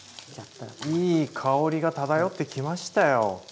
いい香りが漂ってきましたよ。